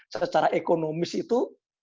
secara ekonomis itu